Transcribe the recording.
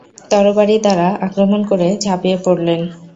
তরবারী দ্বারা আক্রমণ করে ঝাঁপিয়ে পড়লেন।